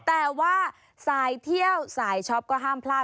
แต่ว่าสายเที่ยวสายช็อปก็ห้ามพลาด